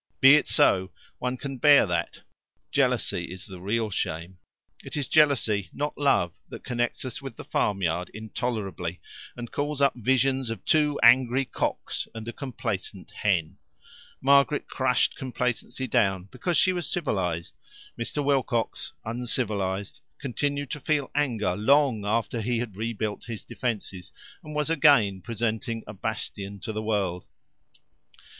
Be it so: one can bear that; jealousy is the real shame. It is jealousy, not love, that connects us with the farmyard intolerably, and calls up visions of two angry cocks and a complacent hen. Margaret crushed complacency down because she was civilized. Mr. Wilcox, uncivilized, continued to feel anger long after he had rebuilt his defences, and was again presenting a bastion to the world.